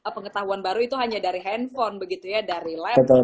pengetahuan baru itu hanya dari handphone dari laptop